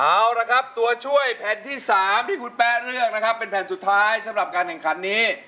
เอาละครับตัวช่วยแผ่นที่๓ที่คุณแป๊ะเลือกนะครับเป็นแผ่นสุดท้ายสำหรับการแข่งขันนี้